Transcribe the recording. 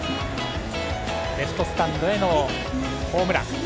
レフトスタンドへのホームラン。